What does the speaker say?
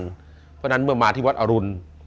เพราะฉะนั้นเมื่อมาที่วัดอรุณ